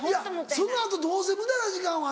その後どうせ無駄な時間は。